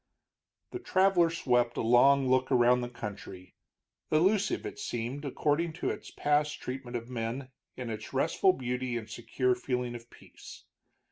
The traveler swept a long look around the country, illusive, it seemed, according to its past treatment of men, in its restful beauty and secure feeling of peace.